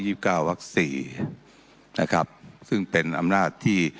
ซึ่งเป็นอำนาจที่กระทำได้แล้วอยู่ในเรื่องนี้นะครับ